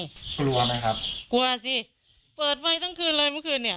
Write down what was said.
กลัวไหมครับกลัวสิเปิดไฟทั้งคืนเลยเมื่อคืนเนี่ย